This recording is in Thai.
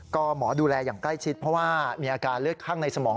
ก็หมอดูแลอย่างใกล้ชิดเพราะว่ามีอาการเลือดข้างในสมอง